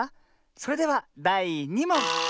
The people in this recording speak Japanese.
それではだい２もん。